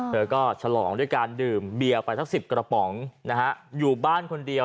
เธอก็ฉลองด้วยการดื่มเบียร์ไปสัก๑๐กระป๋องนะฮะอยู่บ้านคนเดียว